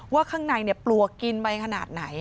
ว่าข้างในเนี่ยปลวกินไปขนาดไหน